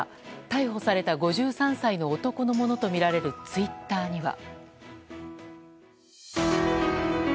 逮捕された５３歳の男のものとみられるツイッターには。